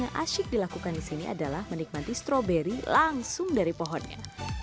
yang asyik dilakukan di sini adalah menikmati stroberi langsung dari pohonnya